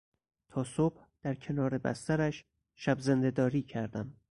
تا صبح در کنار بسترش شبزندهداری کردم.